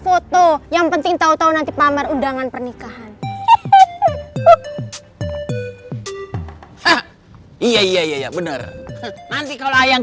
foto yang penting tahu tahu nanti pamer undangan pernikahan iya iya iya benar nanti kalau yang